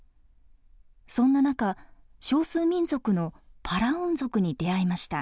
そんな中少数民族のパラウン族に出会いました。